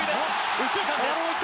右中間です。